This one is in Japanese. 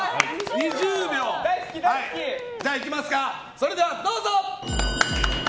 それではどうぞ。